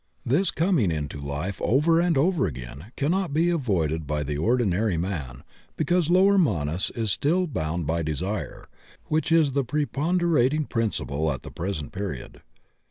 This coming into life over and THE CAUSE OF REBIRTH S9 over again cannot be avoided by the ordinary man be cause Lower Manas is still bound by Desire, which is the preponderating principle at the present period.